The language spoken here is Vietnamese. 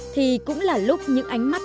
thì cũng là lúc những ánh mắt